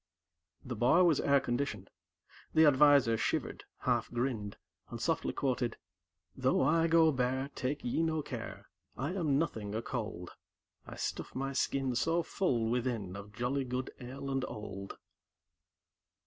The bar was air conditioned. The advisor shivered, half grinned, and softly quoted: "Though I go bare, take ye no care, I am nothing a cold; I stuff my skin so full within Of jolly good ale and old."